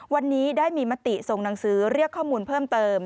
วันนี้ได้มีมติส่งหนังสือเรียกข้อมูลเพิ่มเติม